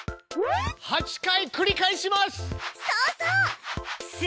８回繰り返します！